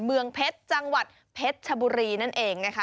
เมืองเพชรจังหวัดเพชรชบุรีนั่นเองนะคะ